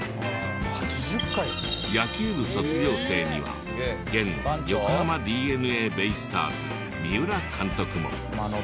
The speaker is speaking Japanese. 野球部卒業生には現横浜ＤｅＮＡベイスターズ三浦監督も。